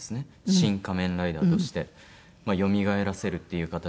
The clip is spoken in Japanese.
『シン・仮面ライダー』としてよみがえらせるっていう形で。